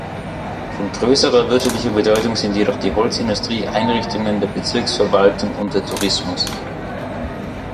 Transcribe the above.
Von größerer wirtschaftlicher Bedeutung sind jedoch die Holzindustrie, Einrichtungen der Bezirksverwaltung und der Tourismus.